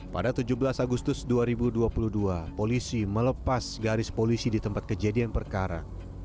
pada tujuh belas agustus dua ribu dua puluh dua polisi melepas garis polisi di tempat kejadian perkara